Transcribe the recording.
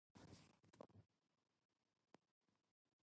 今日は空がきれいだね。